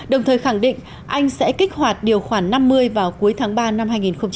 đồng thời khẳng định anh sẽ kích hoạt điều khoản năm mươi vào cuối tháng ba năm hai nghìn hai mươi